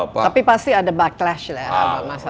tapi pasti ada backlash lah